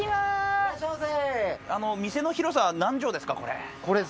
いらっしゃいませ。